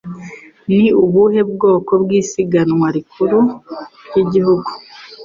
Ni ubuhe bwoko bw'isiganwa rikuru ryigihugu?